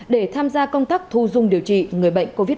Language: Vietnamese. để tham gia công tác thu dung điều trị người bệnh covid một mươi chín